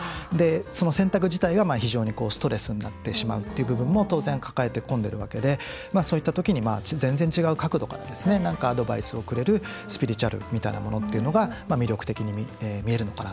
その選択自体が非常にストレスになってしまうというのを抱え込んでいるわけでそういった時に全然違う角度からアドバイスをくれるスピリチュアルというものが魅力的に見えるのかな